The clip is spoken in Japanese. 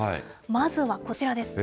まずはこちらです。